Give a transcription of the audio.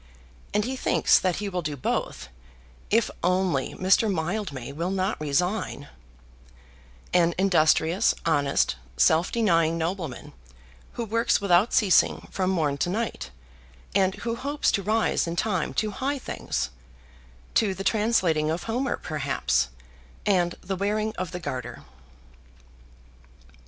And he thinks that he will do both, if only Mr. Mildmay will not resign; an industrious, honest, self denying nobleman, who works without ceasing from morn to night, and who hopes to rise in time to high things, to the translating of Homer, perhaps, and the wearing of the Garter.